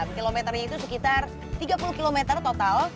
kilometernya itu sekitar tiga puluh km total